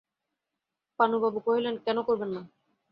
পানুবাবু কহিলেন, কেন করবেন না?